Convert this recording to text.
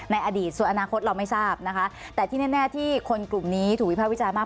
ในอดีตส่วนอนาคตเราไม่ทราบนะคะแต่ที่แน่ที่คนกลุ่มนี้ถูกวิภาควิจารณ์มาก